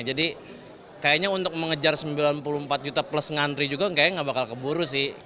jadi kayaknya untuk mengejar sembilan puluh empat juta plus ngantri juga kayaknya gak bakal keburu sih